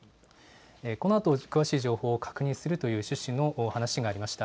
このあと、詳しい情報を確認するという趣旨の話がありました。